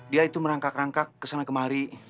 dia itu merangkak rangka kesana kemari